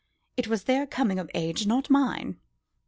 "It was their coming of age, not mine."